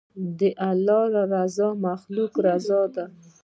د الله رضا له مخلوقه رضا ده.